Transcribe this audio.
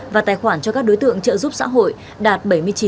và tài khoản cho các đối tượng trợ giúp xã hội đạt bảy mươi chín tám mươi bảy